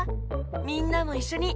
みんなもいっしょに。